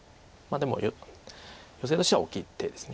でもヨセとしては大きい手です。